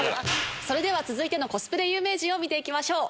それでは続いてのコスプレ有名人見て行きましょう。